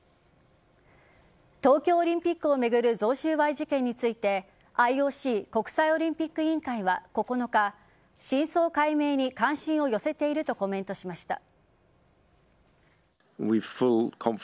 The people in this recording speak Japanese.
東京オリンピックを巡る贈収賄事件についてＩＯＣ＝国際オリンピック委員会は９日真相解明に関心を寄せているとコメントしました。